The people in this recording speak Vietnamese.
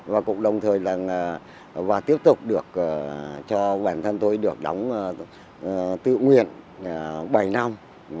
và cũng đồng thời là và tiếp tục được cho bản thân tôi được đóng tự nguyện bảy năm